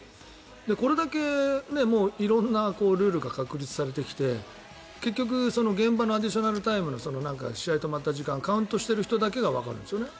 これだけ色んなルールが確立されてきて結局現場のアディショナルタイムの試合と、止まった時間をカウントしている人だけがわかるんですよね。